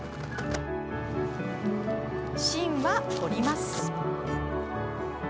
芯は取ります。